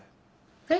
えっ？